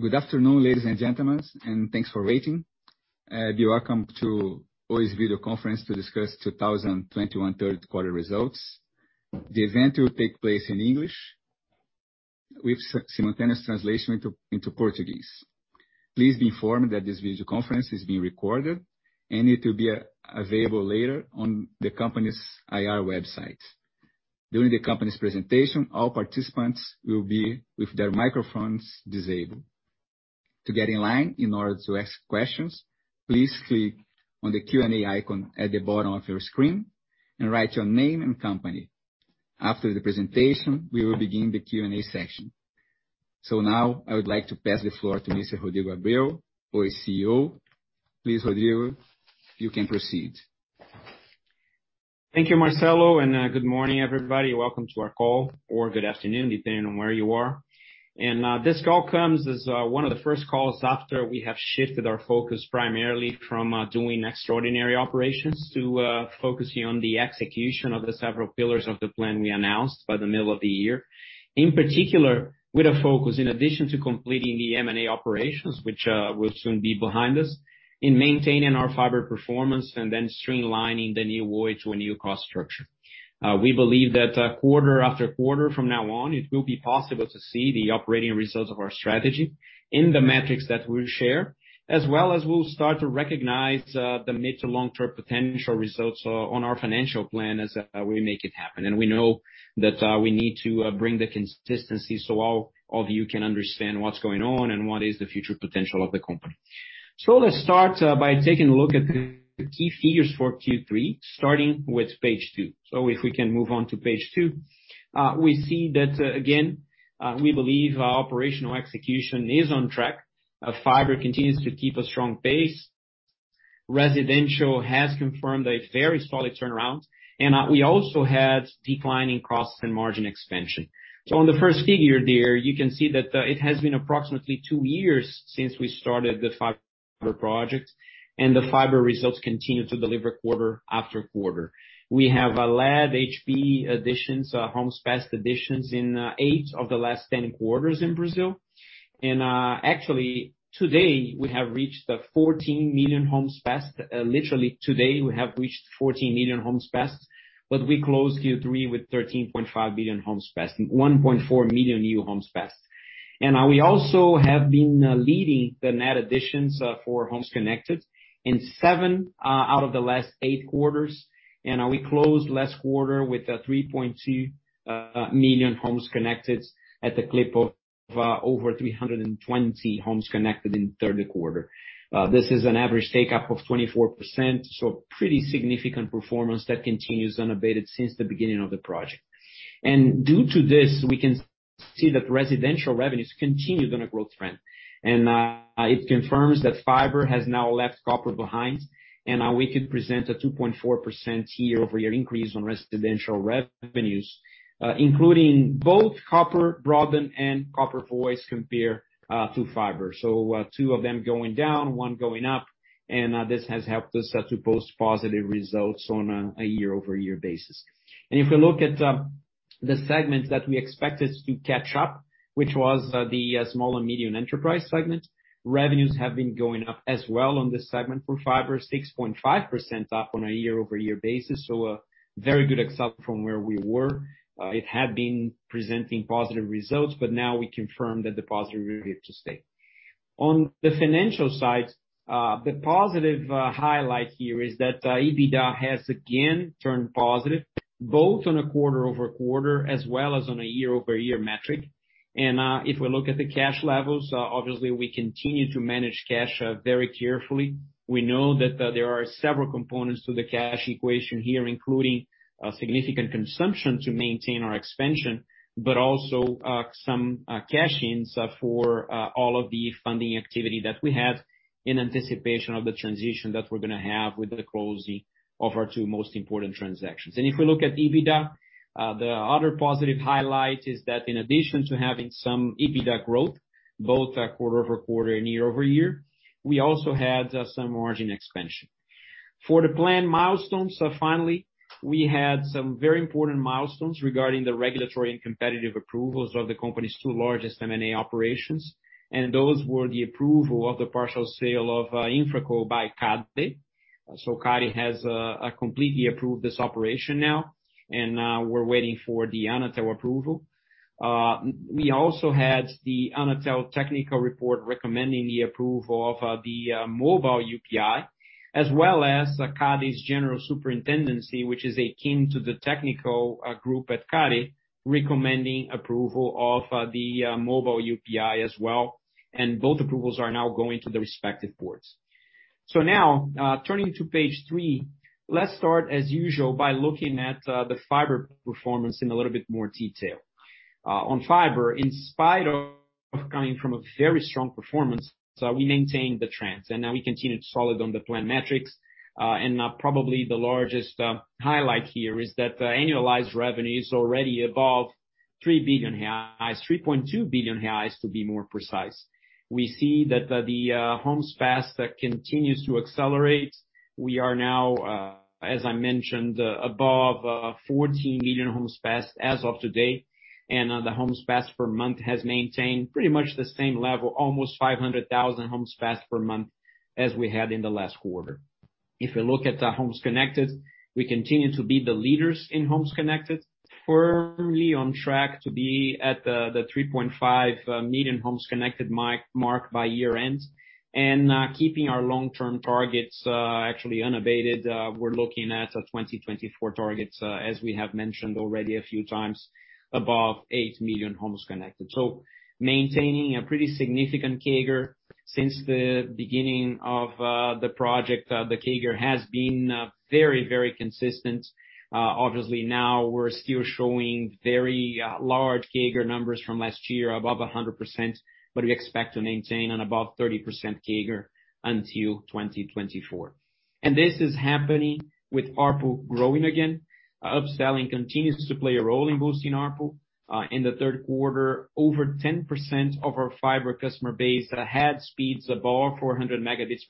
Good afternoon, ladies and gentlemen, and thanks for waiting. Welcome to Oi's video conference to discuss 2021 third quarter results. The event will take place in English with simultaneous translation into Portuguese. Please be informed that this video conference is being recorded and it will be available later on the company's IR website. During the company's presentation, all participants will be with their microphones disabled. To get in line in order to ask questions, please click on the Q&A icon at the bottom of your screen and write your name and company. After the presentation, we will begin the Q&A session. Now, I would like to pass the floor to Mr. Rodrigo Abreu, Oi's CEO. Please, Rodrigo, you can proceed. Thank you, Marcelo, and good morning, everybody. Welcome to our call, or good afternoon, depending on where you are. This call comes as one of the first calls after we have shifted our focus primarily from doing extraordinary operations to focusing on the execution of the several pillars of the plan we announced by the middle of the year. In particular, with a focus, in addition to completing the M&A operations, which will soon be behind us, in maintaining our fiber performance and then streamlining the New Oi to a new cost structure. We believe that quarter after quarter from now on, it will be possible to see the operating results of our strategy in the metrics that we'll share, as well as we'll start to recognize the mid to long-term potential results on our financial plan as we make it happen. We know that we need to bring the consistency so all of you can understand what's going on and what is the future potential of the company. Let's start by taking a look at the key figures for Q3, starting with page two. If we can move on to page two. We see that again we believe our operational execution is on track. Fiber continues to keep a strong pace. Residential has confirmed a very solid turnaround, and we also had declining costs and margin expansion. On the first figure there, you can see that it has been approximately two years since we started the fiber project, and the fiber results continue to deliver quarter after quarter. We have led HP additions, homes passed additions in eight of the last 10 quarters in Brazil. Actually, today, we have reached the 14 million homes passed. Literally today, we have reached 14 million homes passed, but we closed Q3 with 13.5 million homes passed and 1.4 million new homes passed. We also have been leading the net additions for homes connected in seven out of the last eight quarters. We closed last quarter with 3.2 million homes connected at the clip of over 320 homes connected in third quarter. This is an average take-up of 24%, so pretty significant performance that continues unabated since the beginning of the project. Due to this, we can see that residential revenues continued on a growth trend. It confirms that fiber has now left copper behind, and we could present a 2.4% year-over-year increase on residential revenues, including both copper broadband and copper voice compared to fiber. Two of them going down, one going up, and this has helped us to post positive results on a year-over-year basis. If you look at the segments that we expected to catch up, which was the small and medium enterprise segments, revenues have been going up as well on this segment for fiber, 6.5% up on a year-over-year basis. So a very good aspect from where we were. It had been presenting positive results, but now we confirm that the positives are here to stay. On the financial side, the positive highlight here is that EBITDA has again turned positive, both on a quarter-over-quarter as well as on a year-over-year metric. If we look at the cash levels, obviously we continue to manage cash very carefully. We know that, there are several components to the cash equation here, including, significant consumption to maintain our expansion, but also, some, cash-ins for, all of the funding activity that we have in anticipation of the transition that we're gonna have with the closing of our two most important transactions. If we look at EBITDA, the other positive highlight is that in addition to having some EBITDA growth, both, quarter-over-quarter and year-over-year, we also had, some margin expansion. For the plan milestones, finally, we had some very important milestones regarding the regulatory and competitive approvals of the company's two largest M&A operations. Those were the approval of the partial sale of, InfraCo by CADE. CADE has, completely approved this operation now, and, we're waiting for the Anatel approval. We also had the Anatel technical report recommending the approval of the mobile UPI, as well as CADE's General Superintendence, which is akin to the technical group at CADE, recommending approval of the mobile UPI as well. Both approvals are now going to the respective boards. Now, turning to page three, let's start as usual by looking at the fiber performance in a little bit more detail. On fiber, in spite of coming from a very strong performance, we maintained the trends, and now we continue solid on the plan metrics. Probably the largest highlight here is that the annualized revenue is already above 3 billion reais, 3.2 billion reais to be more precise. We see that the homes passed continues to accelerate. We are now, as I mentioned, above 14 million homes passed as of today. The homes passed per month has maintained pretty much the same level, almost 500,000 homes passed per month as we had in the last quarter. If we look at homes connected, we continue to be the leaders in homes connected, firmly on track to be at the 3.5 million homes connected milestone by year end, and keeping our long-term targets, actually unabated. We're looking at a 2024 targets, as we have mentioned already a few times, above eight million homes connected. Maintaining a pretty significant CAGR. Since the beginning of the project, the CAGR has been very, very consistent. Obviously, now we're still showing very large CAGR numbers from last year, above 100%, but we expect to maintain an above 30% CAGR until 2024. This is happening with ARPU growing again. Up-selling continues to play a role in boosting ARPU. In the third quarter, over 10% of our fiber customer base had speeds above 400 Mbps.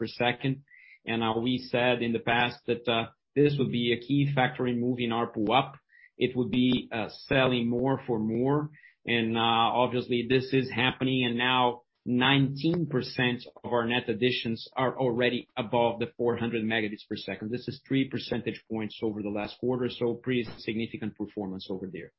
We said in the past that this would be a key factor in moving ARPU up. It would be selling more for more. Obviously, this is happening, and now 19% of our net additions are already above the 400 Mbps. This is three percentage points over the last quarter, so pretty significant performance over there.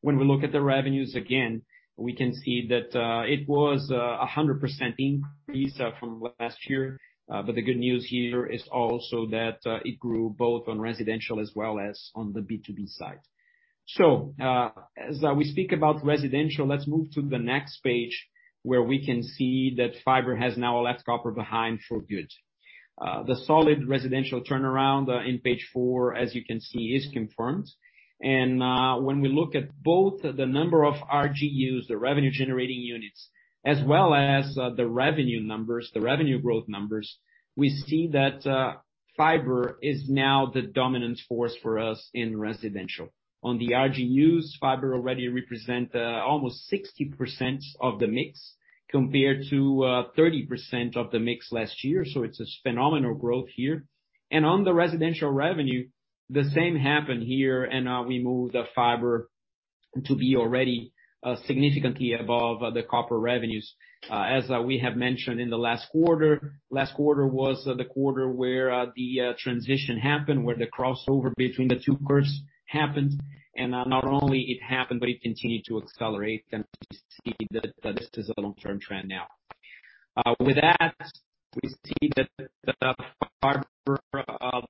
When we look at the revenues again, we can see that it was a 100% increase from last year. The good news here is also that it grew both on residential as well as on the B2B side. As we speak about residential, let's move to the next page where we can see that fiber has now left copper behind for good. The solid residential turnaround in page four, as you can see, is confirmed. When we look at both the number of RGUs, the revenue generating units, as well as the revenue numbers, the revenue growth numbers, we see that fiber is now the dominant force for us in residential. On the RGUs, fiber already represent almost 60% of the mix, compared to 30% of the mix last year. It's just phenomenal growth here. On the residential revenue, the same happened here, and we moved the fiber to be already significantly above the copper revenues. As we have mentioned in the last quarter, it was the quarter where the transition happened, where the crossover between the two curves happened. Not only it happened, but it continued to accelerate, and we see that this is a long-term trend now. With that, we see that the fiber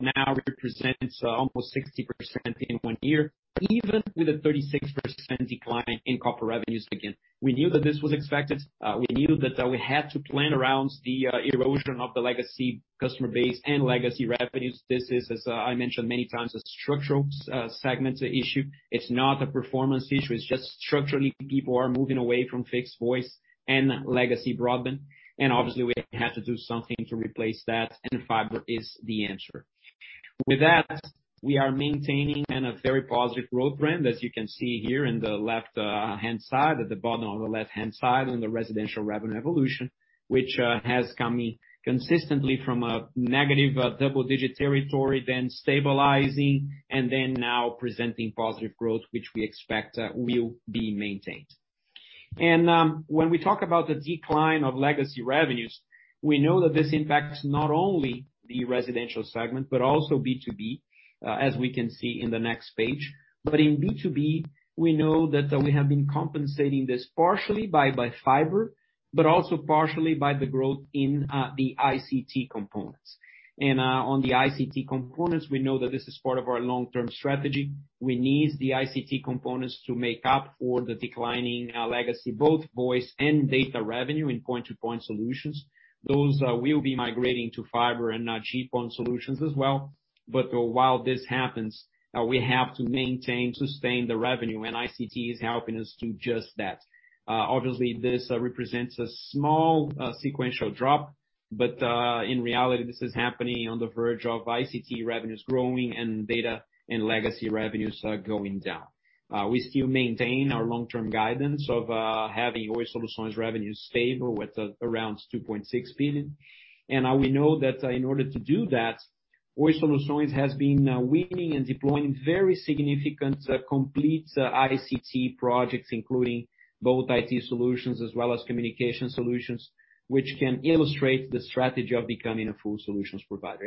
now represents almost 60% in one year, even with a 36% decline in copper revenues again. We knew that this was expected. We knew that we had to plan around the erosion of the legacy customer base and legacy revenues. This is, as I mentioned many times, a structural segment issue. It's not a performance issue. It's just structurally, people are moving away from fixed voice and legacy broadband, and obviously we have to do something to replace that, and fiber is the answer. With that, we are maintaining in a very positive growth trend, as you can see here on the left-hand side, at the bottom, in the residential revenue evolution, which has come in consistently from a negative double-digit territory, then stabilizing, and then now presenting positive growth, which we expect will be maintained. When we talk about the decline of legacy revenues, we know that this impacts not only the residential segment, but also B2B, as we can see in the next page. In B2B, we know that we have been compensating this partially by fiber, but also partially by the growth in the ICT components. On the ICT components, we know that this is part of our long-term strategy. We need the ICT components to make up for the declining legacy, both voice and data revenue in point-to-point solutions. Those will be migrating to fiber and GPON solutions as well. While this happens, we have to maintain, sustain the revenue, and ICT is helping us do just that. Obviously, this represents a small sequential drop, but in reality, this is happening on the verge of ICT revenues growing and data and legacy revenues going down. We still maintain our long-term guidance of having Oi Solutions revenues stable with around 2.6 billion. We know that in order to do that, Oi Soluções has been winning and deploying very significant complete ICT projects, including both IT solutions as well as communication solutions, which can illustrate the strategy of becoming a full solutions provider.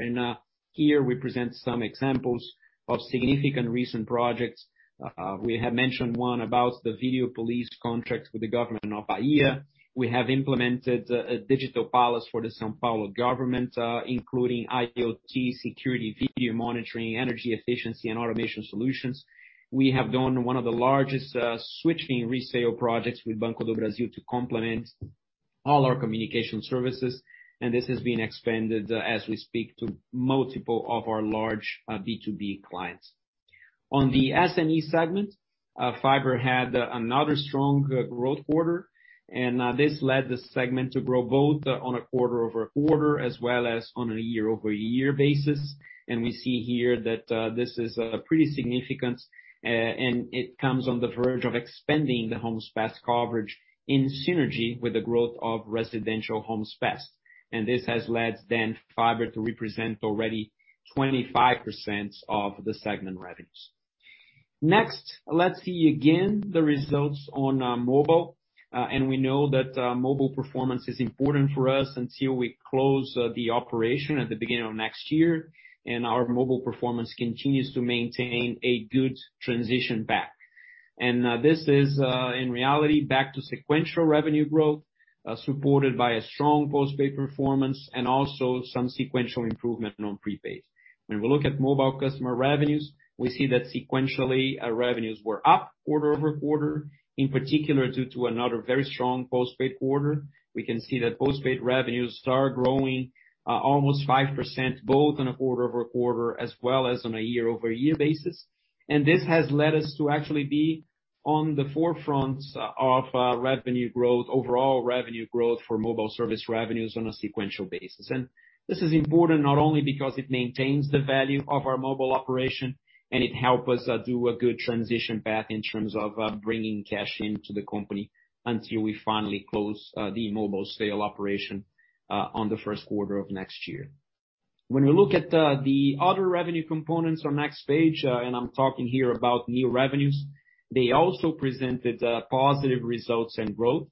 Here we present some examples of significant recent projects. We have mentioned one about the video police contracts with the government of Bahia. We have implemented a digital palace for the São Paulo government, including IoT security, video monitoring, energy efficiency, and automation solutions. We have done one of the largest switching resale projects with Banco do Brasil to complement all our communication services, and this has been expanded as we speak to multiple of our large B2B clients. On the SME segment, fiber had another strong growth quarter, and this led the segment to grow both on a quarter-over-quarter as well as on a year-over-year basis. We see here that this is pretty significant, and it comes on the verge of expanding the homes passed coverage in synergy with the growth of residential homes passed. This has led then fiber to represent already 25% of the segment revenues. Next, let's see again the results on mobile. We know that mobile performance is important for us until we close the operation at the beginning of next year. Our mobile performance continues to maintain a good transition back. This is, in reality back to sequential revenue growth, supported by a strong post-paid performance and also some sequential improvement on prepaid. When we look at mobile customer revenues, we see that sequentially our revenues were up quarter-over-quarter, in particular due to another very strong post-paid quarter. We can see that post-paid revenues start growing, almost 5% both on a quarter-over-quarter as well as on a year-over-year basis. This has led us to actually be on the forefronts of revenue growth, overall revenue growth for mobile service revenues on a sequential basis. This is important not only because it maintains the value of our mobile operation, and it help us, do a good transition path in terms of, bringing cash into the company until we finally close, the mobile sale operation, on the first quarter of next year. When we look at the other revenue components on next page, and I'm talking here about new revenues, they also presented, positive results and growth.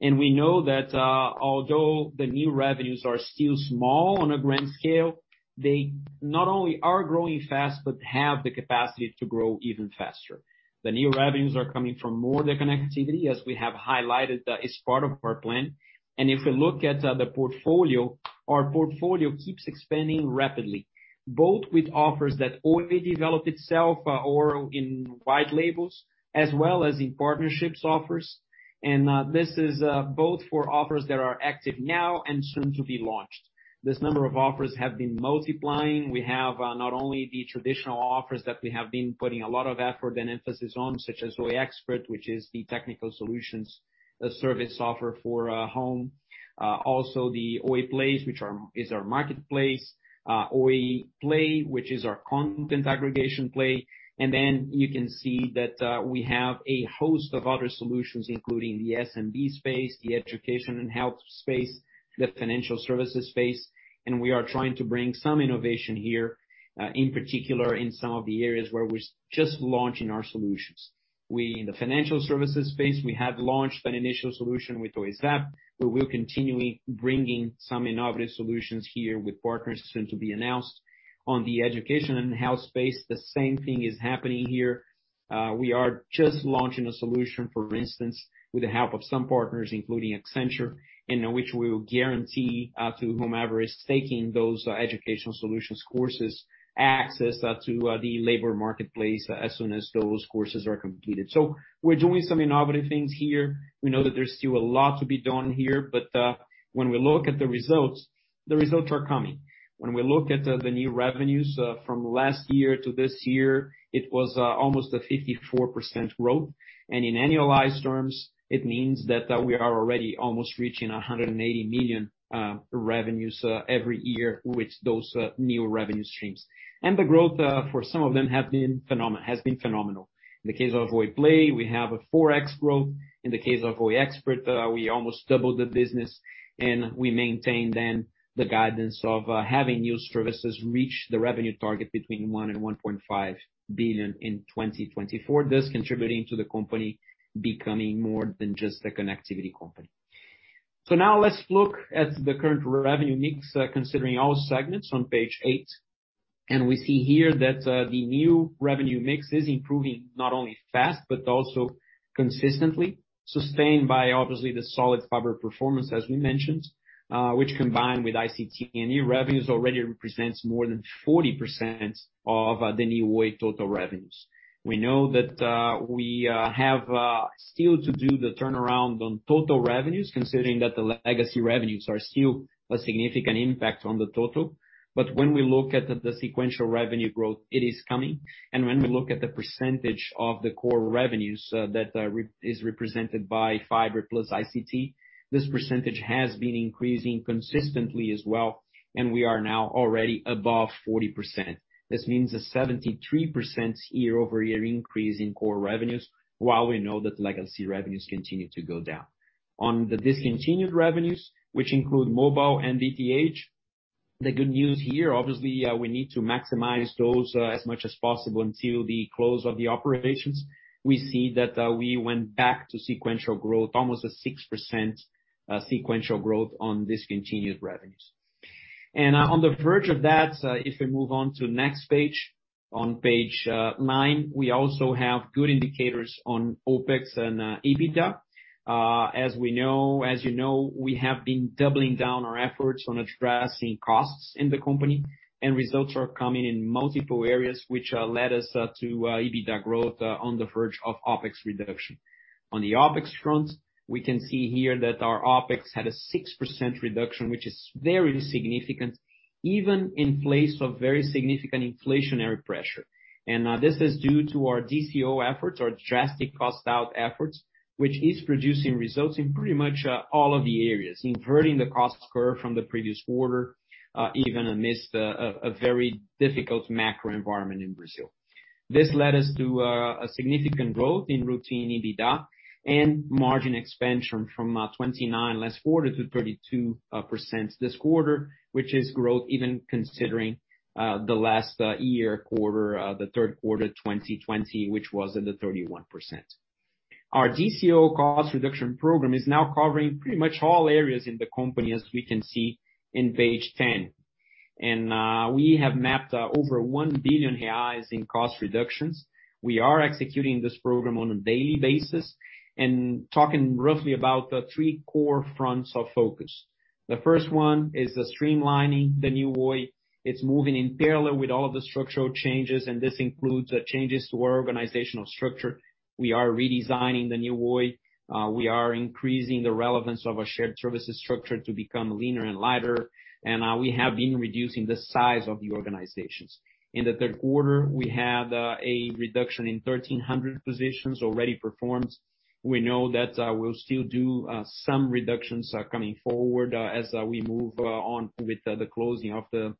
We know that, although the new revenues are still small on a grand scale, they not only are growing fast, but have the capacity to grow even faster. The new revenues are coming from more the connectivity, as we have highlighted, that is part of our plan. If we look at the portfolio, our portfolio keeps expanding rapidly, both with offers that Oi develop itself, or in white labels, as well as in partnerships offers. This is both for offers that are active now and soon to be launched. This number of offers have been multiplying. We have not only the traditional offers that we have been putting a lot of effort and emphasis on, such as Oi Expert, which is the technical support service offer for home. Also the Oi Play, which is our marketplace, Oi Play, which is our content aggregation platform. You can see that we have a host of other solutions, including the SMB space, the education and health space, the financial services space, and we are trying to bring some innovation here, in particular in some of the areas where we're just launching our solutions. We, in the financial services space, we have launched an initial solution with Oi Zap, where we're continuing bringing some innovative solutions here with partners soon to be announced. On the education and health space, the same thing is happening here. We are just launching a solution, for instance, with the help of some partners, including Accenture, and which we will guarantee to whomever is taking those educational solutions courses access to the labor marketplace as soon as those courses are completed. We're doing some innovative things here. We know that there's still a lot to be done here, but when we look at the results, the results are coming. When we look at the new revenues from last year to this year, it was almost a 54% growth. In annualized terms, it means that we are already almost reaching 180 million revenues every year with those new revenue streams. The growth for some of them has been phenomenal. In the case of Oi Play, we have a 4x growth. In the case of Oi Expert, we almost doubled the business. We maintain then the guidance of having new services reach the revenue target between 1 billion and 1.5 billion in 2024. This, contributing to the company becoming more than just a connectivity company. Now let's look at the current revenue mix, considering all segments on page eight. We see here that the new revenue mix is improving not only fast but also consistently, sustained by obviously the solid fiber performance as we mentioned, which combined with ICT and new revenues already represents more than 40% of the New Oi total revenues. We know that we have still to do the turnaround on total revenues, considering that the legacy revenues are still a significant impact on the total. When we look at the sequential revenue growth, it is coming. When we look at the percentage of the core revenues that is represented by fiber plus ICT, this percentage has been increasing consistently as well, and we are now already above 40%. This means a 73% year-over-year increase in core revenues, while we know that legacy revenues continue to go down. On the discontinued revenues, which include mobile and DTH, the good news here, obviously, we need to maximize those as much as possible until the close of the operations. We see that we went back to sequential growth, almost a 6% sequential growth on discontinued revenues. On the verge of that, if we move on to next page, on page nine, we also have good indicators on OpEx and EBITDA. As we know, as you know, we have been doubling down our efforts on addressing costs in the company, and results are coming in multiple areas, which led us to EBITDA growth on the verge of OpEx reduction. On the OpEx front, we can see here that our OpEx had a 6% reduction, which is very significant, even in spite of very significant inflationary pressure. This is due to our DCO efforts, our drastic cost out efforts, which is producing results in pretty much all of the areas, inverting the cost curve from the previous quarter, even amidst a very difficult macro environment in Brazil. This led us to a significant growth in run-rate EBITDA and margin expansion from 29% last quarter to 32% this quarter, which is growth even considering the last year quarter, the third quarter of 2020, which was at the 31%. Our DCO cost reduction program is now covering pretty much all areas in the company, as we can see in page 10. We have mapped over 1 billion reais in cost reductions. We are executing this program on a daily basis and talking roughly about the three core fronts of focus. The first one is the streamlining the New Oi. It's moving in parallel with all of the structural changes, and this includes the changes to our organizational structure. We are redesigning the New Oi. We are increasing the relevance of our shared services structure to become leaner and lighter. We have been reducing the size of the organizations. In the third quarter, we had a reduction in 1,300 positions already performed. We know that we'll still do some reductions coming forward as we move on with the closing of the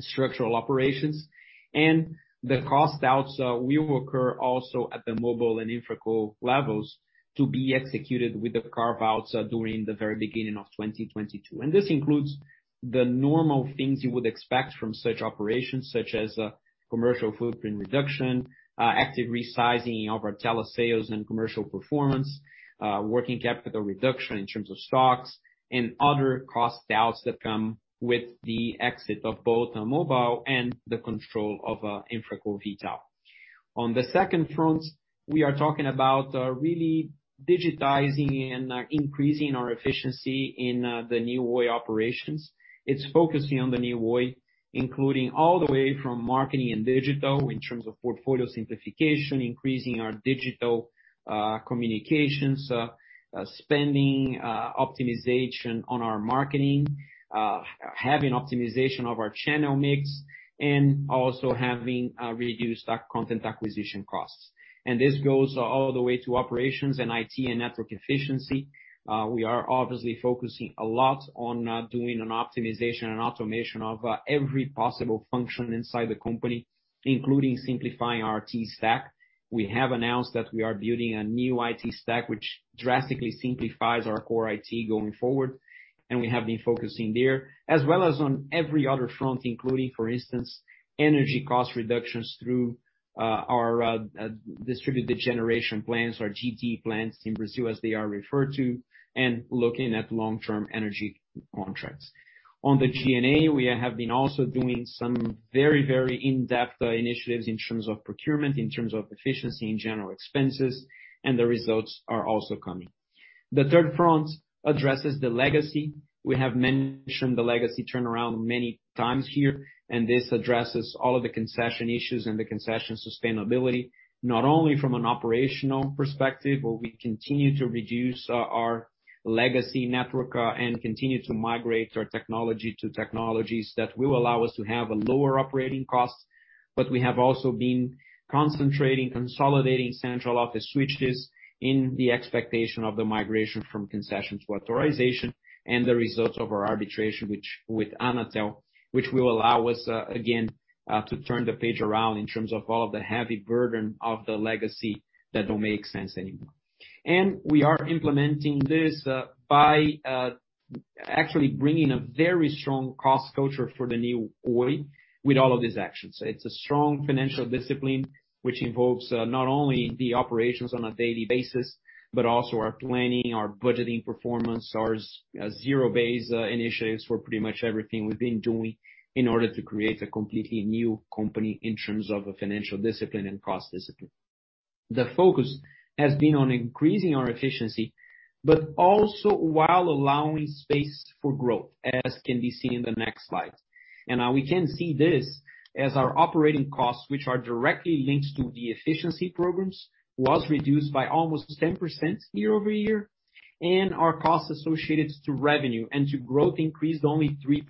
structural operations. The cost outs will occur also at the mobile and InfraCo levels to be executed with the carve-outs during the very beginning of 2022. This includes the normal things you would expect from such operations, such as commercial footprint reduction, active resizing of our telesales and commercial performance, working capital reduction in terms of stocks and other cost outs that come with the exit of both the mobile and the control of InfraCo V.tal. On the second front, we are talking about really digitizing and increasing our efficiency in the New Oi operations. It's focusing on the New Oi, including all the way from marketing and digital in terms of portfolio simplification, increasing our digital communications spending optimization on our marketing, having optimization of our channel mix, and also having reduced our content acquisition costs. This goes all the way to operations and IT and network efficiency. We are obviously focusing a lot on doing an optimization and automation of every possible function inside the company, including simplifying our IT stack. We have announced that we are building a new IT stack, which drastically simplifies our core IT going forward, and we have been focusing there, as well as on every other front, including, for instance, energy cost reductions through our distributed generation plants or GD plants in Brazil, as they are referred to, and looking at long-term energy contracts. On the G&A, we have been also doing some very, very in-depth initiatives in terms of procurement, in terms of efficiency in general expenses, and the results are also coming. The third front addresses the legacy. We have mentioned the legacy turnaround many times here, and this addresses all of the concession issues and the concession sustainability, not only from an operational perspective, where we continue to reduce our legacy network and continue to migrate our technology to technologies that will allow us to have a lower operating cost. We have also been concentrating, consolidating central office switches in the expectation of the migration from concession to authorization and the results of our arbitration with Anatel, which will allow us again to turn the page around in terms of all of the heavy burden of the legacy that don't make sense anymore. We are implementing this by actually bringing a very strong cost culture for the New Oi with all of these actions. It's a strong financial discipline which involves not only the operations on a daily basis, but also our planning, our budgeting performance, our zero-based initiatives for pretty much everything we've been doing in order to create a completely new company in terms of a financial discipline and cost discipline. The focus has been on increasing our efficiency, but also while allowing space for growth, as can be seen in the next slide. We can see this as our operating costs, which are directly linked to the efficiency programs, was reduced by almost 10% year-over-year, and our costs associated to revenue and to growth increased only 3%.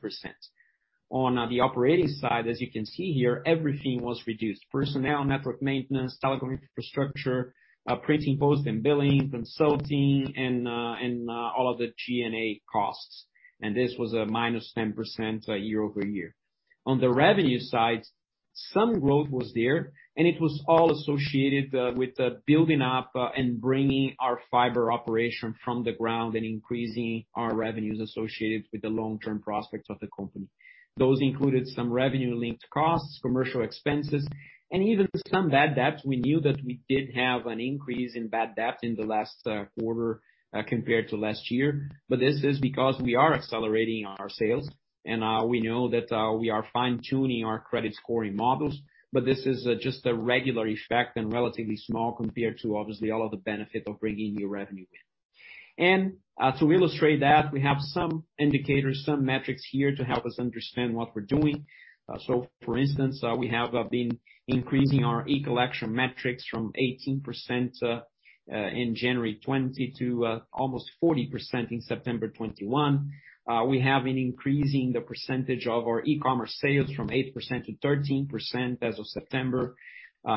On the operating side, as you can see here, everything was reduced: personnel, network maintenance, telecom infrastructure, printing, post and billing, consulting, and all of the G&A costs. This was a minus 10% year-over-year. On the revenue side, some growth was there, and it was all associated with the building up and bringing our fiber operation from the ground and increasing our revenues associated with the long-term prospects of the company. Those included some revenue-linked costs, commercial expenses, and even some bad debt. We knew that we did have an increase in bad debt in the last quarter compared to last year. This is because we are accelerating our sales, and we know that we are fine-tuning our credit scoring models, but this is just a regular effect and relatively small compared to obviously all of the benefit of bringing new revenue in. To illustrate that, we have some indicators, some metrics here to help us understand what we're doing. For instance, we have been increasing our e-collection metrics from 18% in January 2020 to almost 40% in September 2021. We have been increasing the percentage of our e-commerce sales from 8% to 13% as of September.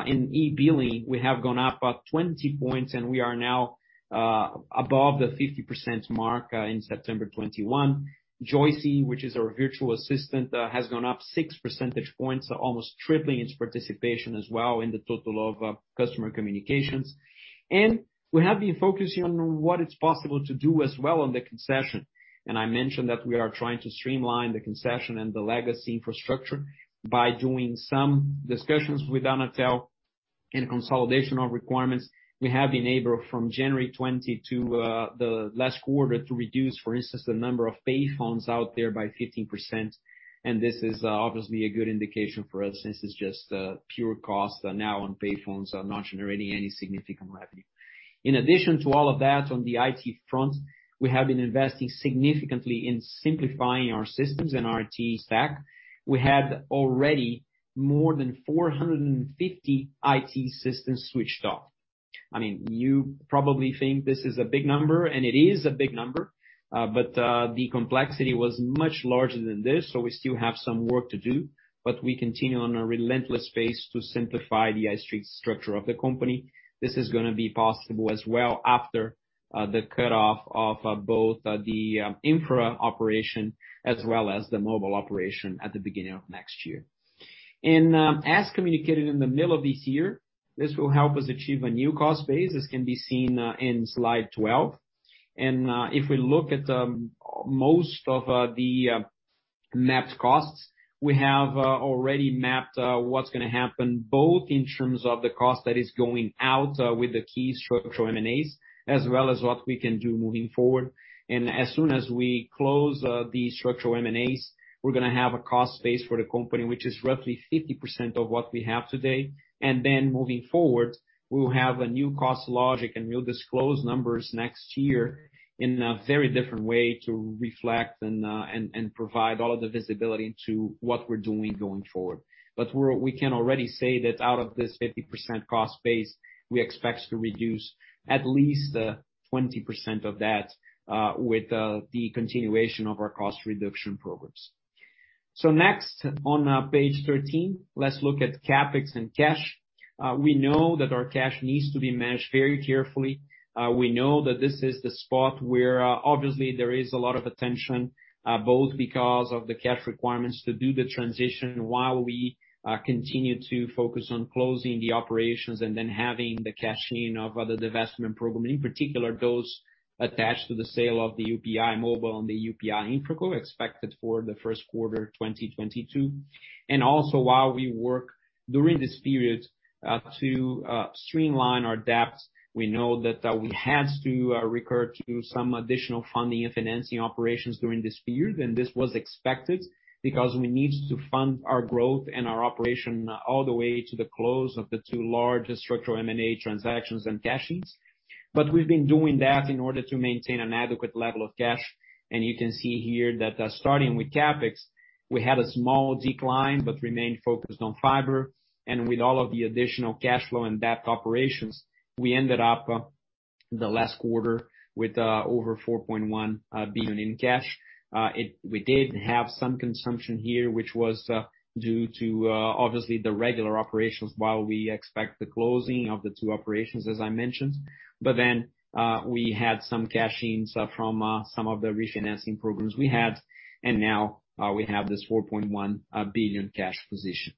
In e-billing, we have gone up 20 points, and we are now above the 50% mark in September 2021. Joice, which is our virtual assistant, has gone up six percentage points, almost tripling its participation as well in the total of customer communications. We have been focusing on what it's possible to do as well on the concession. I mentioned that we are trying to streamline the concession and the legacy infrastructure by doing some discussions with Anatel. In consolidation of requirements, we have enabled from January 2020 to the last quarter to reduce, for instance, the number of payphones out there by 15%. This is obviously a good indication for us since it's just pure costs are now on payphones are not generating any significant revenue. In addition to all of that, on the IT front, we have been investing significantly in simplifying our systems and our IT stack. We had already more than 450 IT systems switched off. I mean, you probably think this is a big number, and it is a big number, but the complexity was much larger than this, so we still have some work to do, but we continue on a relentless pace to simplify the IT structure of the company. This is gonna be possible as well after the cutoff of both the infra operation as well as the mobile operation at the beginning of next year. As communicated in the middle of this year, this will help us achieve a new cost base, as can be seen in slide 12. If we look at most of the mapped costs, we have already mapped what's gonna happen, both in terms of the cost that is going out with the key structural M&As, as well as what we can do moving forward. As soon as we close the structural M&As, we're gonna have a cost base for the company, which is roughly 50% of what we have today. Moving forward, we will have a new cost logic, and we'll disclose numbers next year in a very different way to reflect and provide all of the visibility into what we're doing going forward. We can already say that out of this 50% cost base, we expect to reduce at least 20% of that with the continuation of our cost reduction programs. Next on page 13, let's look at CapEx and cash. We know that our cash needs to be managed very carefully. We know that this is the spot where obviously there is a lot of attention both because of the cash requirements to do the transition while we continue to focus on closing the operations and then having the cash from other divestment programs, in particular, those attached to the sale of the UPI Mobile and the UPI InfraCo expected for the first quarter 2022. Also while we work during this period to streamline our debt, we know that we had to resort to some additional funding and financing operations during this period. This was expected because we need to fund our growth and our operation all the way to the close of the two largest structural M&A transactions and cash-ins. We've been doing that in order to maintain an adequate level of cash. You can see here that starting with CapEx, we had a small decline, but remained focused on fiber. With all of the additional cash flow and debt operations, we ended up the last quarter with over 4.1 billion in cash. We did have some consumption here, which was due to obviously the regular operations while we expect the closing of the two operations, as I mentioned. We had some cash-ins from some of the refinancing programs we had, and now we have this 4.1 billion cash position.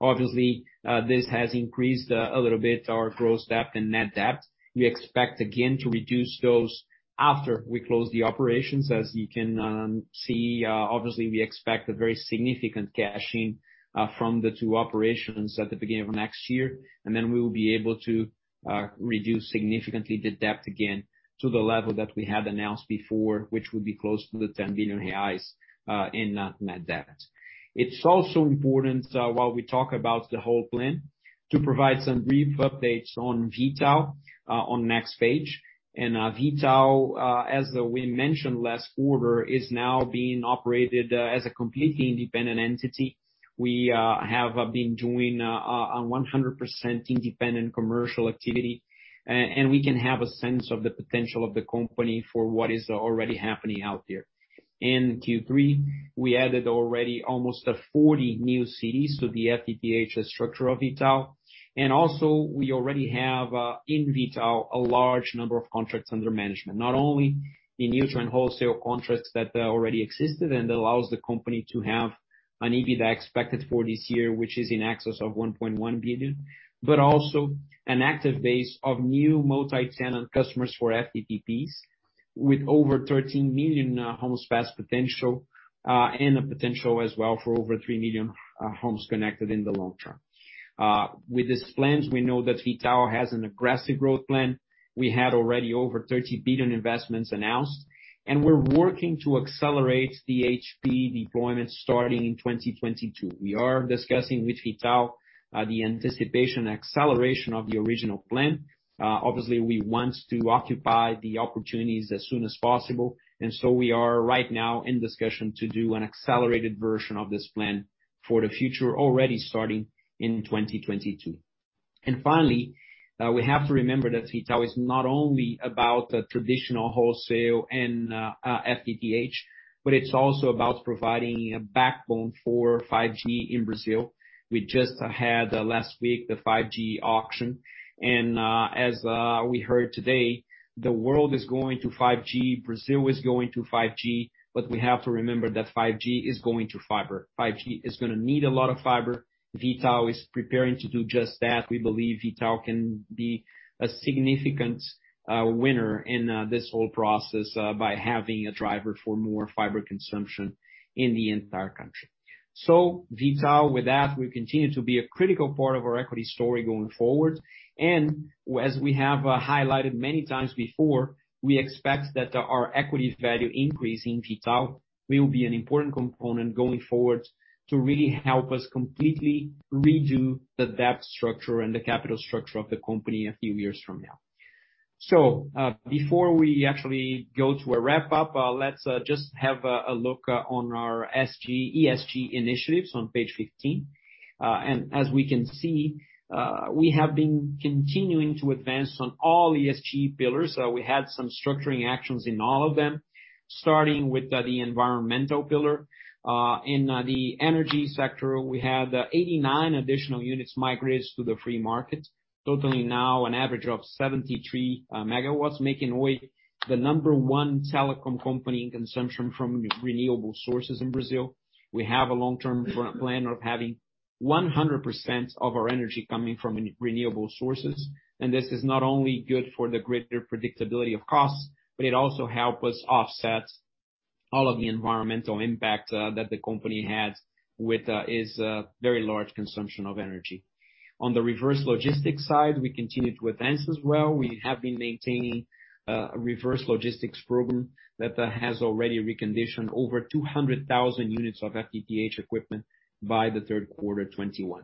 Obviously, this has increased a little bit our gross debt and net debt. We expect again to reduce those after we close the operations. As you can see, obviously we expect a very significant cash-in from the two operations at the beginning of next year. We will be able to reduce significantly the debt again to the level that we had announced before, which would be close to the 10 billion reais in net debt. It's also important, while we talk about the whole plan, to provide some brief updates on V.tal, on next page. V.tal, as we mentioned last quarter, is now being operated as a completely independent entity. We have been doing a 100% independent commercial activity. We can have a sense of the potential of the company for what is already happening out there. In Q3, we added already almost 40 new cities to the FTTH structure of V.tal. Also we already have in V.tal a large number of contracts under management, not only the neutral and wholesale contracts that already existed and allows the company to have an EBITDA expected for this year, which is in excess of 1.1 billion, but also an active base of new multi-tenant customers for FTTHs with over 13 million homes passed potential and a potential as well for over three million homes connected in the long term. With these plans, we know that V.tal has an aggressive growth plan. We had already over 30 billion investments announced, and we're working to accelerate the HP deployment starting in 2022. We are discussing with V.tal the anticipated acceleration of the original plan. Obviously, we want to occupy the opportunities as soon as possible, and so we are right now in discussion to do an accelerated version of this plan for the future already starting in 2022. Finally, we have to remember that V.tal is not only about the traditional wholesale and FTTH, but it's also about providing a backbone for 5G in Brazil. We just had last week, the 5G auction, and as we heard today, the world is going to 5G, Brazil is going to 5G, but we have to remember that 5G is going to fiber. 5G is gonna need a lot of fiber. V.tal is preparing to do just that. We believe V.tal can be a significant winner in this whole process by having a driver for more fiber consumption in the entire country. V.tal, with that, will continue to be a critical part of our equity story going forward. As we have highlighted many times before, we expect that our equity value increase in V.tal will be an important component going forward to really help us completely redo the debt structure and the capital structure of the company a few years from now. Before we actually go to a wrap up, let's just have a look on our ESG initiatives on page 15. As we can see, we have been continuing to advance on all ESG pillars. We had some structuring actions in all of them, starting with the environmental pillar. In the energy sector, we had 89 additional units migrate to the free market, totaling now an average of 73 MW, making Oi the number one telecom company in consumption from renewable sources in Brazil. We have a long-term plan of having 100% of our energy coming from renewable sources, and this is not only good for the greater predictability of costs, but it also help us offset all of the environmental impact that the company has with its very large consumption of energy. On the reverse logistics side, we continue to advance as well. We have been maintaining a reverse logistics program that has already reconditioned over 200,000 units of FTTH equipment by Q3 2021.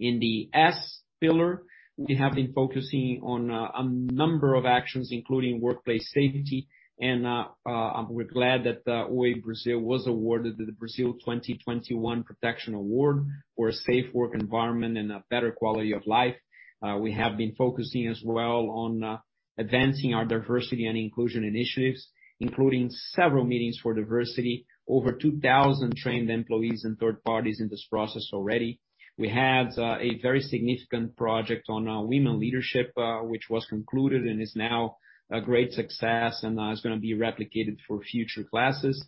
In the S pillar, we have been focusing on a number of actions, including workplace safety and we're glad that Oi was awarded the Brasil 2021 protection award for a safe work environment and a better quality of life. We have been focusing as well on advancing our diversity and inclusion initiatives, including several meetings for diversity, over 2,000 trained employees and third parties in this process already. We had a very significant project on women leadership, which was concluded and is now a great success and is gonna be replicated for future classes.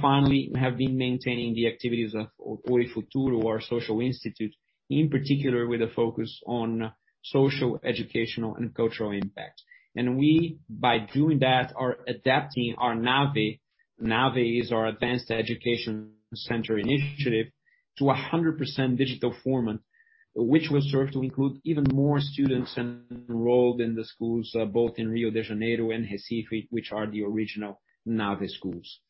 Finally, we have been maintaining the activities of Oi Futuro, our social institute, in particular with a focus on social, educational and cultural impact. We, by doing that, are adapting our NAVE. NAVE is our advanced education center initiative to 100% digital format, which will serve to include even more students enrolled in the schools, both in Rio de Janeiro and Recife, which are the original NAVE schools.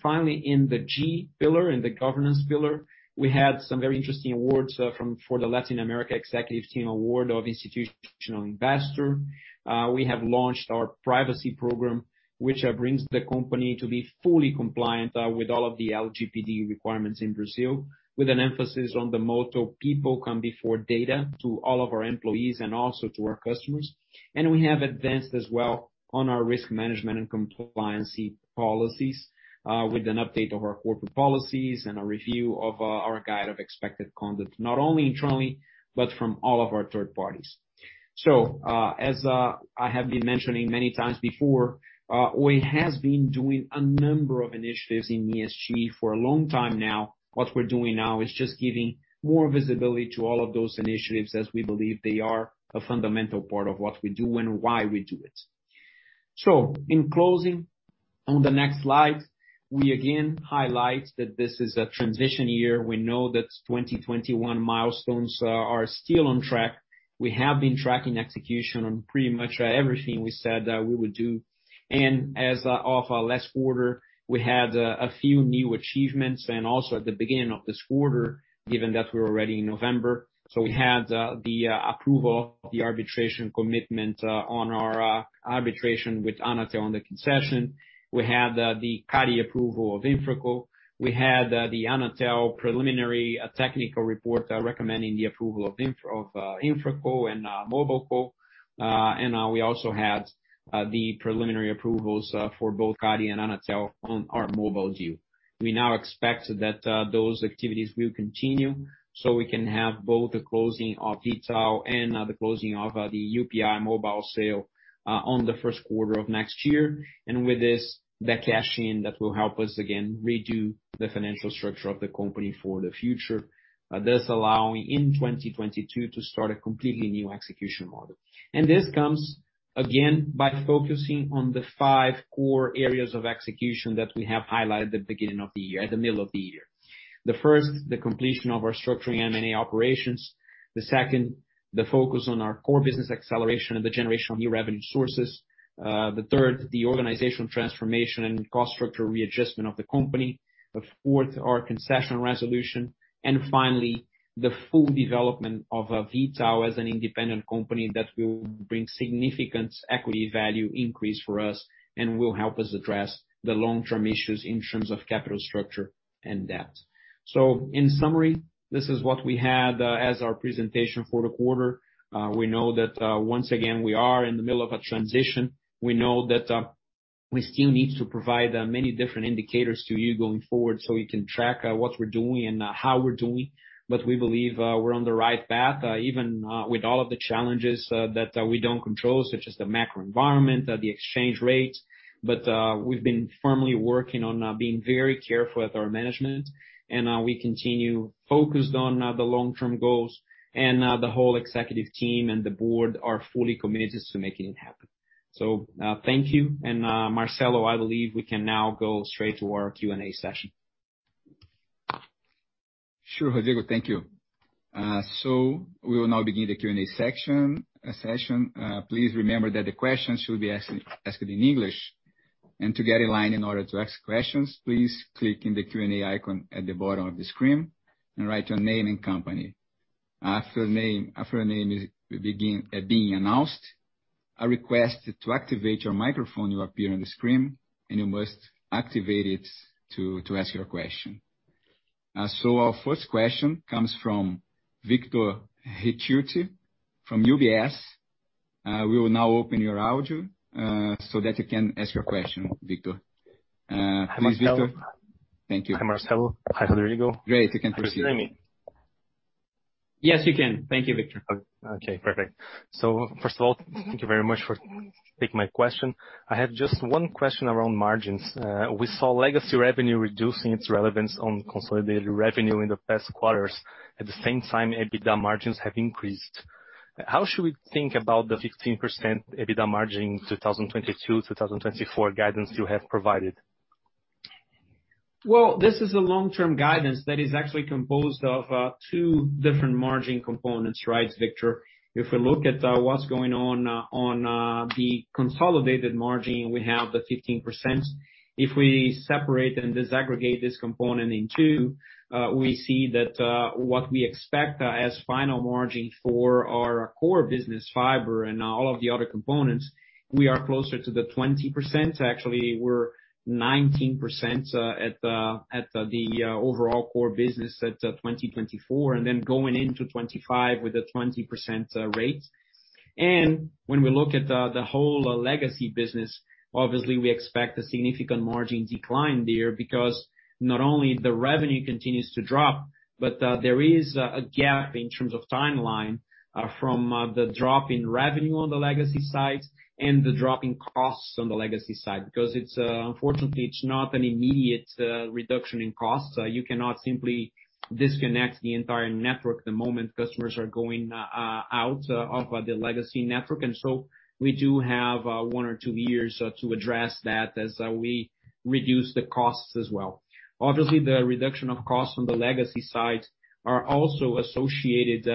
Finally, in the G pillar, in the governance pillar, we had some very interesting awards for the Latin America Executive Team Award from Institutional Investor. We have launched our privacy program, which brings the company to be fully compliant with all of the LGPD requirements in Brazil, with an emphasis on the motto, "People come before data," to all of our employees and also to our customers. We have advanced as well on our risk management and compliance policies, with an update of our corporate policies and a review of our code of expected conduct, not only internally, but from all of our third parties. As I have been mentioning many times before, Oi has been doing a number of initiatives in ESG for a long time now. What we're doing now is just giving more visibility to all of those initiatives as we believe they are a fundamental part of what we do and why we do it. In closing, on the next slide, we again highlight that this is a transition year. We know that 2021 milestones are still on track. We have been tracking execution on pretty much everything we said that we would do. As of last quarter, we had a few new achievements and also at the beginning of this quarter, given that we're already in November. We had the approval of the arbitration commitment on our arbitration with Anatel on the concession. We had the CADE approval of InfraCo. We had the Anatel preliminary technical report recommending the approval of InfraCo and MobileCo. We also had the preliminary approvals for both CADE and Anatel on our Mobile deal. We now expect that those activities will continue, so we can have both the closing of V.tal and the closing of the UPI Mobile sale on the first quarter of next year. With this, the cash-in that will help us again redo the financial structure of the company for the future, thus allowing in 2022 to start a completely new execution model. This comes again by focusing on the five core areas of execution that we have highlighted at the middle of the year. The first, the completion of our structuring and M&A operations. The second, the focus on our core business acceleration and the generation of new revenue sources. The third, the organizational transformation and cost structure readjustment of the company. The fourth, our concession resolution. Finally, the full development of V.tal as an independent company that will bring significant equity value increase for us and will help us address the long-term issues in terms of capital structure and debt. In summary, this is what we had as our presentation for the quarter. We know that once again, we are in the middle of a transition. We know that we still need to provide many different indicators to you going forward so we can track what we're doing and how we're doing. We believe we're on the right path even with all of the challenges that we don't control, such as the macro environment, the exchange rate. We've been firmly working on being very careful with our management, and we continue focused on the long-term goals. The whole executive team and the board are fully committed to making it happen. Thank you. Marcelo, I believe we can now go straight to our Q&A session. Sure, Rodrigo, thank you. We will now begin the Q&A session. Please remember that the questions should be asked in English. To get in line in order to ask questions, please click in the Q&A icon at the bottom of the screen and write your name and company. After your name is being announced, a request to activate your microphone will appear on the screen, and you must activate it to ask your question. Our first question comes from Victor Ricchetti from UBS. We will now open your audio so that you can ask your question, Victor. Please, Victor. Hi, Marcelo. Thank you. Hi, Marcelo. Hi, Rodrigo. Great. You can proceed. Can you hear me? Yes, we can. Thank you, Victor. Okay, perfect. First of all, thank you very much for taking my question. I have just one question around margins. We saw legacy revenue reducing its relevance on consolidated revenue in the past quarters. At the same time, EBITDA margins have increased. How should we think about the 15% EBITDA margin 2022/2024 guidance you have provided? Well, this is a long-term guidance that is actually composed of two different margin components, right, Victor? If we look at what's going on on the consolidated margin, we have the 15%. If we separate and disaggregate this component in two, we see that what we expect as final margin for our core business, fiber and all of the other components, we are closer to the 20%. Actually, we're 19% at the overall core business at 2024, and then going into 2025 with a 20% rate. When we look at the whole legacy business, obviously we expect a significant margin decline there because not only the revenue continues to drop, but there is a gap in terms of timeline from the drop in revenue on the legacy side and the drop in costs on the legacy side. Because it's unfortunately not an immediate reduction in cost. You cannot simply disconnect the entire network the moment customers are going out of the legacy network. We do have one or two years to address that as we reduce the costs as well. Obviously, the reduction of costs on the legacy side are also associated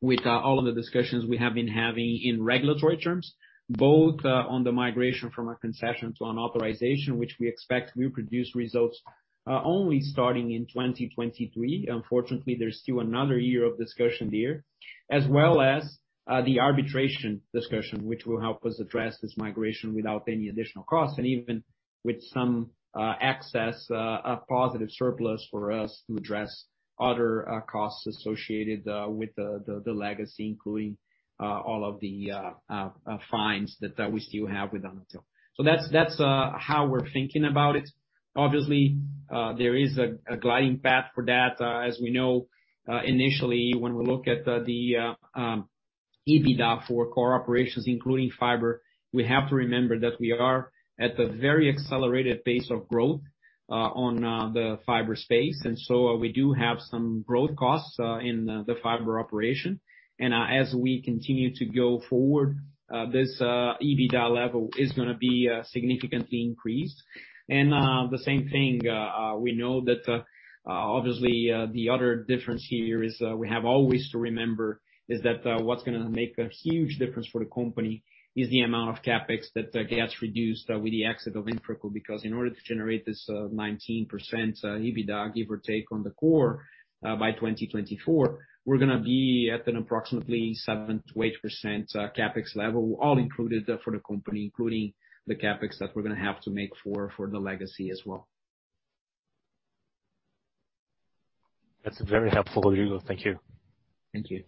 with all of the discussions we have been having in regulatory terms, both on the migration from a concession to an authorization, which we expect will produce results only starting in 2023. Unfortunately, there's still another year of discussion there. As well as the arbitration discussion, which will help us address this migration without any additional costs, and even with some excess, a positive surplus for us to address other costs associated with the legacy, including all of the fines that we still have with Anatel. That's how we're thinking about it. Obviously, there is a glide path for that. As we know, initially, when we look at the EBITDA for core operations, including fiber, we have to remember that we are at a very accelerated pace of growth on the fiber space. As we continue to go forward, this EBITDA level is gonna be significantly increased. The same thing, we know that, obviously, the other difference here is, we have always to remember is that, what's gonna make a huge difference for the company is the amount of CapEx that gets reduced with the exit of InfraCo, because in order to generate this 19% EBITDA, give or take, on the core, by 2024, we're gonna be at an approximately 7%-8% CapEx level, all included for the company, including the CapEx that we're gonna have to make for the legacy as well. That's very helpful, Rodrigo. Thank you. Thank you.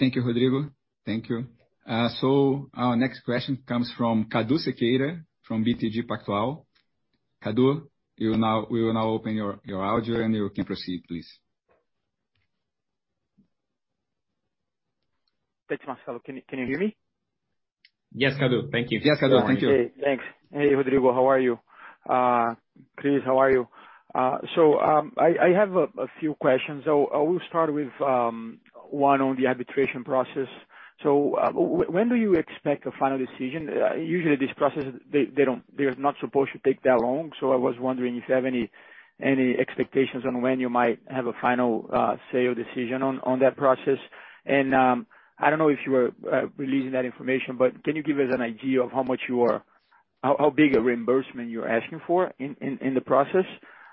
Thank you, Rodrigo. Thank you. Our next question comes from Cadu Sequeira from BTG Pactual. Cadu, we will now open your audio, and you can proceed, please. Thanks, Marcelo. Can you hear me? Yes, Cadu. Thank you. Yes, Cadu. Thank you. Okay. Thanks. Hey, Rodrigo. How are you? Cris, how are you? I have a few questions. I will start with one on the arbitration process. When do you expect a final decision? Usually these processes, they don't, they're not supposed to take that long. I was wondering if you have any expectations on when you might have a final say or decision on that process. I don't know if you are releasing that information, but can you give us an idea of how big a reimbursement you're asking for in the process?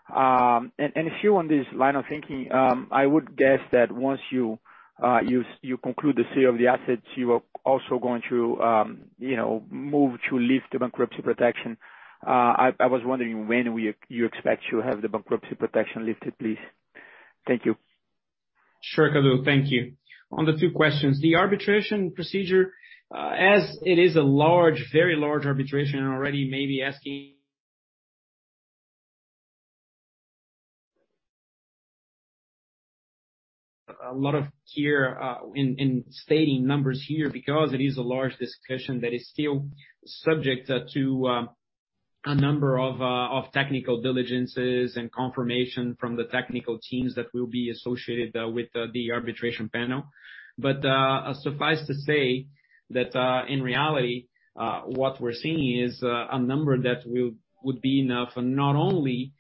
If you're on this line of thinking, I would guess that once you conclude the sale of the assets, you are also going to, you know, move to lift the bankruptcy protection. I was wondering when you expect to have the bankruptcy protection lifted, please. Thank you. Sure, Cadu. Thank you. On the two questions, the arbitration procedure, as it is a large, very large arbitration requiring a lot of care in stating numbers here because it is a large discussion that is still subject to a number of technical diligences and confirmation from the technical teams that will be associated with the arbitration panel. Suffice to say that in reality what we're seeing is a number that would be enough not only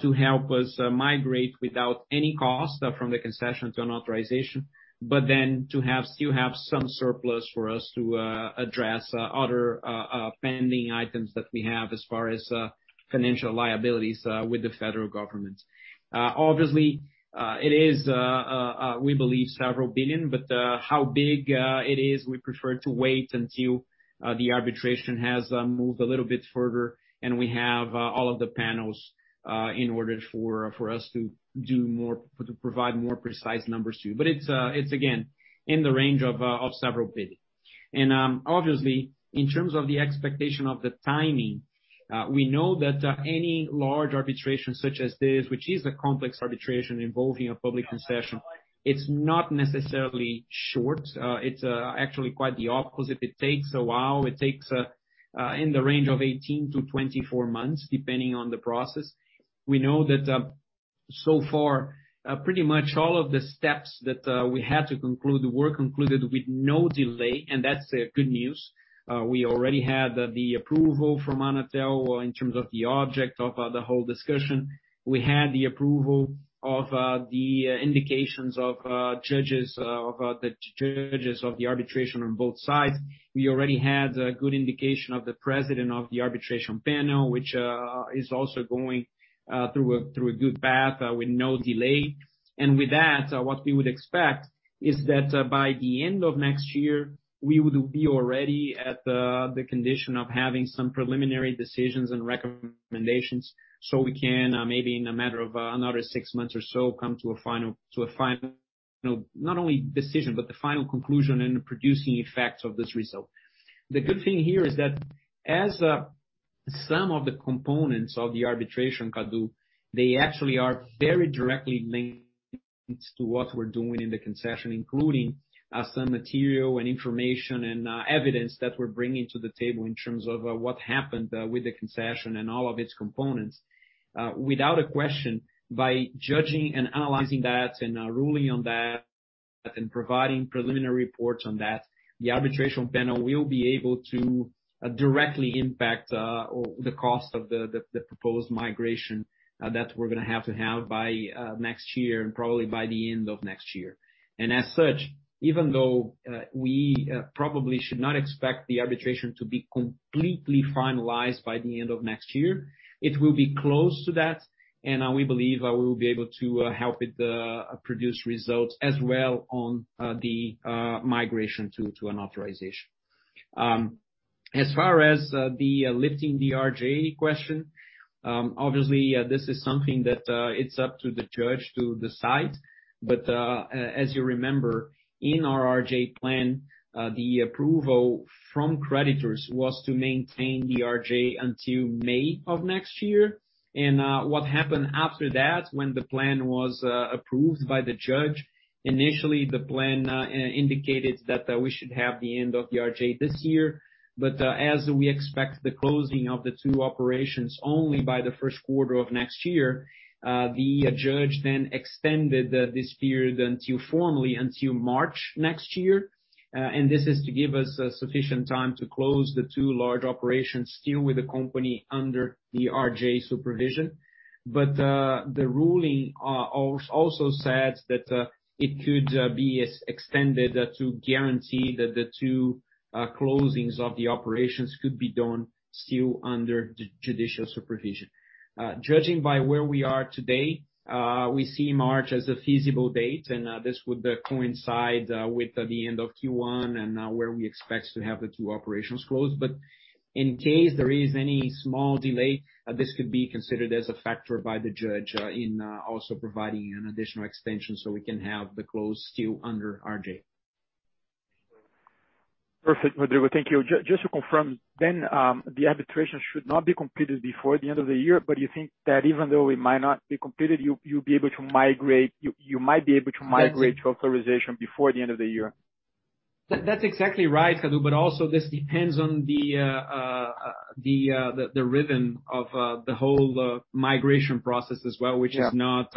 to help us migrate without any cost from the concession to an authorization, but still have some surplus for us to address other pending items that we have as far as financial liabilities with the federal government. Obviously, we believe several billion, but how big it is, we prefer to wait until the arbitration has moved a little bit further, and we have all of the panels in order for us to provide more precise numbers to you. But it's again, in the range of several billion. Obviously, in terms of the expectation of the timing, we know that any large arbitration such as this, which is a complex arbitration involving a public concession, it's not necessarily short. It's actually quite the opposite. It takes a while. It takes in the range of 18-24 months, depending on the process. We know that, so far, pretty much all of the steps that we had to conclude were concluded with no delay, and that's good news. We already had the approval from Anatel in terms of the object of the whole discussion. We had the approval of the indications of judges of the arbitration on both sides. We already had a good indication of the president of the arbitration panel, which is also going through a good path with no delay. With that, what we would expect is that, by the end of next year, we would be already at the condition of having some preliminary decisions and recommendations, so we can maybe in a matter of another six months or so come to a final you know not only decision, but the final conclusion and the producing effects of this result. The good thing here is that some of the components of the arbitration, Cadu, they actually are very directly linked to what we're doing in the concession, including some material and information and evidence that we're bringing to the table in terms of what happened with the concession and all of its components. Without a question, by judging and analyzing that and ruling on that, and providing preliminary reports on that, the arbitration panel will be able to directly impact the cost of the proposed migration that we're gonna have to have by next year, and probably by the end of next year. As such, even though we probably should not expect the arbitration to be completely finalized by the end of next year, it will be close to that, and we believe we'll be able to help with the produced results as well on the migration to an authorization. As far as lifting the RJ question, obviously this is something that it's up to the judge to decide. As you remember, in our RJ plan, the approval from creditors was to maintain the RJ until May of next year. What happened after that, when the plan was approved by the judge, initially the plan indicated that we should have the end of the RJ this year. As we expect the closing of the two operations only by the first quarter of next year, the judge then extended this period until March next year. This is to give us sufficient time to close the two large operations still with the company under the RJ supervision. The ruling also said that it could be extended to guarantee that the two closings of the operations could be done still under judicial supervision. Judging by where we are today, we see March as a feasible date, and this would coincide with the end of Q1 and where we expect to have the two operations closed. In case there is any small delay, this could be considered as a factor by the judge in also providing an additional extension so we can have the close still under RJ. Perfect, Rodrigo. Thank you. Just to confirm, the arbitration should not be completed before the end of the year, but you think that even though it might not be completed, you'll be able to migrate to authorization before the end of the year. That's exactly right, Cadu, but also this depends on the rhythm of the whole migration process as well. Yeah. which is not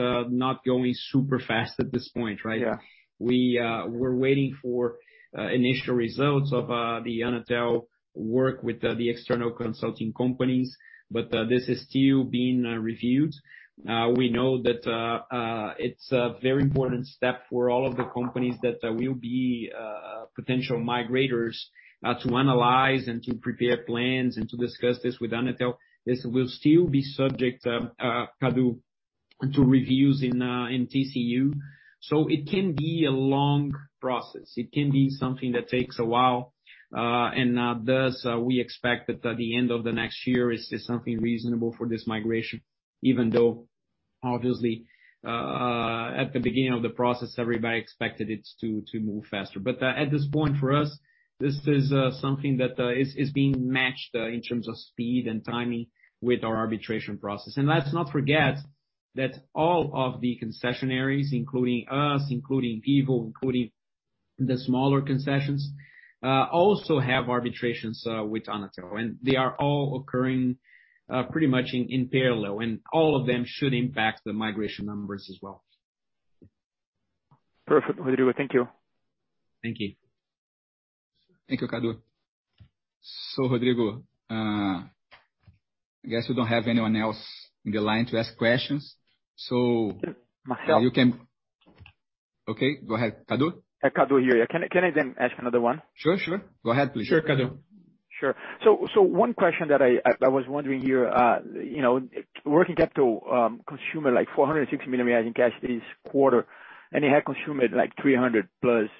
going super fast at this point, right? Yeah. We're waiting for initial results of the Anatel work with the external consulting companies, but this is still being reviewed. We know that it's a very important step for all of the companies that will be potential migrators to analyze and to prepare plans and to discuss this with Anatel. This will still be subject, Cadu, to reviews in TCU. It can be a long process. It can be something that takes a while, and thus we expect that by the end of the next year is just something reasonable for this migration, even though obviously at the beginning of the process, everybody expected it to move faster. At this point for us, this is something that is being matched in terms of speed and timing with our arbitration process. Let's not forget that all of the concessionaires, including us, including Tigo, including the smaller concessions, also have arbitrations with Anatel, and they are all occurring pretty much in parallel, and all of them should impact the migration numbers as well. Perfect, Rodrigo. Thank you. Thank you. Thank you, Cadu. Rodrigo, I guess we don't have anyone else in the line to ask questions. Marcel. Okay, go ahead. Cadu? Cadu here. Can I then ask another one? Sure, sure. Go ahead, please. Sure, Cadu. Sure. One question that I was wondering here, you know, working capital consumed like 460 million reais in cash this quarter, and it had consumed like 300+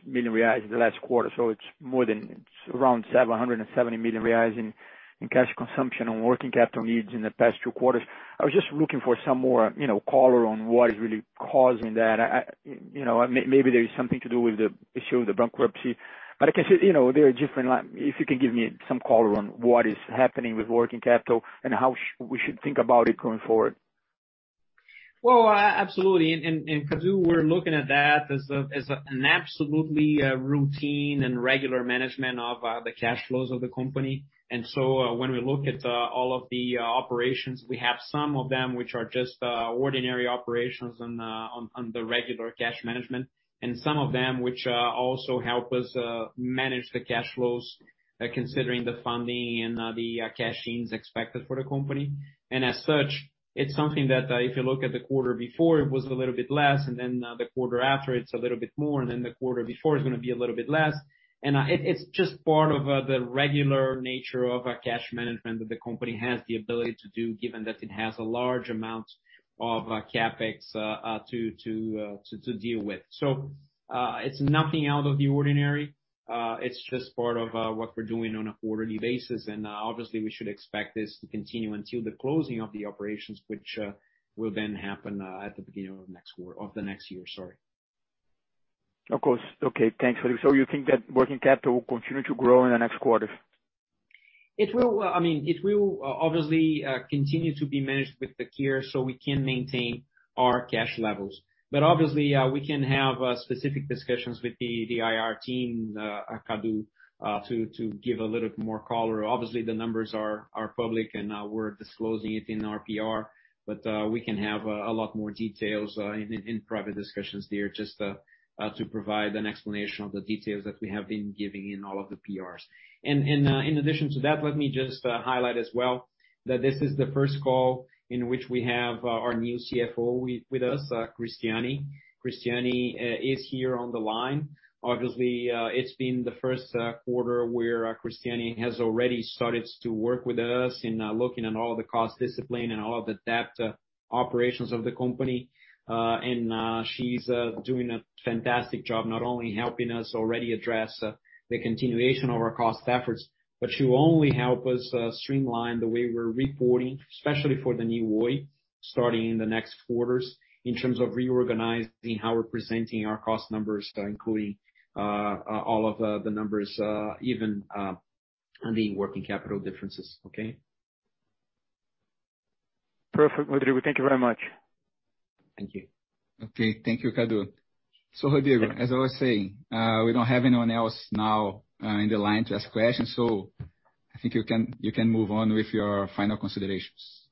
million reais in the last quarter. It's more than around 770 million reais in cash consumption and working capital needs in the past two quarters. I was just looking for some more, you know, color on what is really causing that. I, you know, maybe there is something to do with the issue of the bankruptcy. I guess, you know, there are different like. If you can give me some color on what is happening with working capital and how we should think about it going forward. Well, absolutely, and Cadu, we're looking at that as an absolutely routine and regular management of the cash flows of the company. When we look at all of the operations, we have some of them which are just ordinary operations on the regular cash management and some of them which also help us manage the cash flows, considering the funding and the cash-ins expected for the company. As such, it's something that if you look at the quarter before, it was a little bit less, and then the quarter after, it's a little bit more, and then the quarter before, it's gonna be a little bit less. It's just part of the regular nature of cash management that the company has the ability to do, given that it has a large amount of CapEx to deal with. It's nothing out of the ordinary. It's just part of what we're doing on a quarterly basis. Obviously we should expect this to continue until the closing of the operations, which will then happen at the beginning of the next year, sorry. Of course. Okay, thanks, Rodrigo. You think that working capital will continue to grow in the next quarters? It will, I mean, obviously, continue to be managed with the care so we can maintain our cash levels. Obviously, we can have specific discussions with the IR team, Cadu, to give a little more color. Obviously, the numbers are public, and we're disclosing it in our PR, but we can have a lot more details in private discussions there just to provide an explanation of the details that we have been giving in all of the PRs. In addition to that, let me just highlight as well that this is the first call in which we have our new CFO with us, Cristiane. Cristiane is here on the line. Obviously, it's been the first quarter where Cristiane has already started to work with us in looking at all the cost discipline and all of the debt operations of the company. She's doing a fantastic job, not only helping us already address the continuation of our cost efforts, but she will only help us streamline the way we're reporting, especially for the New Oi starting in the next quarters, in terms of reorganizing how we're presenting our cost numbers, including all of the numbers even on the working capital differences. Okay? Perfect, Rodrigo. Thank you very much. Thank you. Okay. Thank you, Cadu. Rodrigo, as I was saying, we don't have anyone else now in the line to ask questions, so I think you can move on with your final considerations.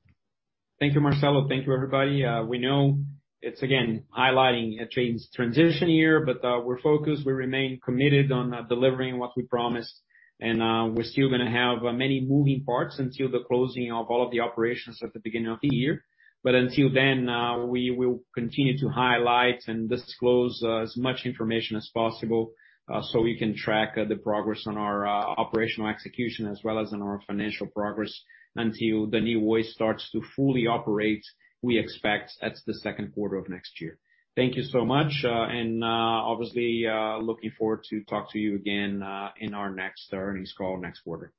Thank you, Marcelo. Thank you, everybody. We know it's again highlighting a transition year, but we're focused. We remain committed on delivering what we promised. We're still gonna have many moving parts until the closing of all of the operations at the beginning of the year. Until then, we will continue to highlight and disclose as much information as possible, so we can track the progress on our operational execution as well as on our financial progress until the New Oi starts to fully operate. We expect that's the second quarter of next year. Thank you so much. Obviously, looking forward to talk to you again in our next earnings call next quarter.